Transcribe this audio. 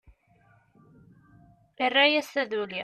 Irra-yas taduli.